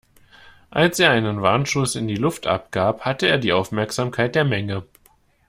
Als er einen Warnschuss in die Luft abgab, hatte er die Aufmerksamkeit der Menge.